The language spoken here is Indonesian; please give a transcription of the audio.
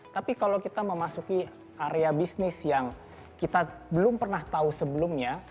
tapi kalau kita memasuki area bisnis yang kita belum pernah tahu sebelumnya